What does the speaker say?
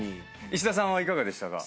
石田さんはいかがでしたか？